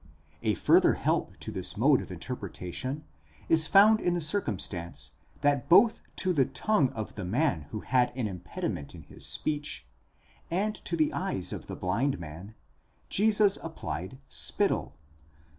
A further help to this mode of interpreta tion is found in the circumstance that both to the tongue of the man who had an impediment in his speech, and to the eyes of the blind man, Jesus applied spittle.